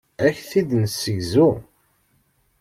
Ad ak-t-id-nessegzu.